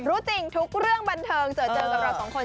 รู้จริงทุกเรื่องบันเทิงเจอเจอกับเราสองคน